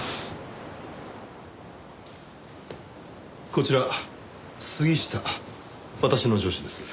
こちら杉下私の上司です。